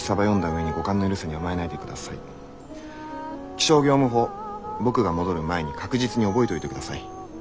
気象業務法僕が戻る前に確実に覚えといてください。